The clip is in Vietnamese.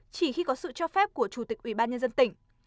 chỉ khi có sự cho phép của chủ tịch ubnd tỉnh